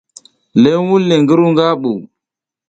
Le wunle ngi ru nga ɓu.